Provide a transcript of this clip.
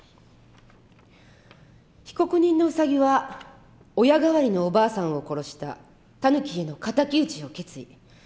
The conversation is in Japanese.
「被告人のウサギは親代わりのおばあさんを殺したタヌキへの敵討ちを決意。